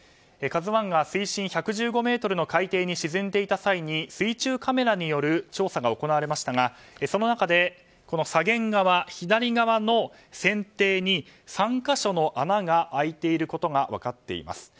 「ＫＡＺＵ１」が水深１１５ｍの海底に沈んでいた際に水中カメラによる調査が行われましたが、その中でこの左舷側、左側の船底に３か所の穴が開いていることが分かっています。